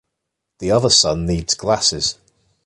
The other son needs glasses.